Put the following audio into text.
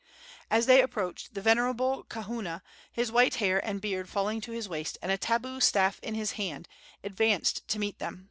As they approached, the venerable kahuna, his white hair and beard falling to his waist and a tabu staff in his hand, advanced to meet them.